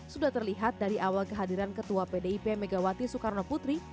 sudah terlihat dari awal kehadiran ketua pdip megawati soekarnoputri